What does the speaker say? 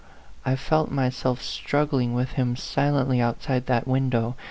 I felt myself struggling with him silently outside that window.